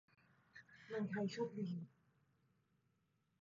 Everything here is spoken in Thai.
เมืองไทยโชคดี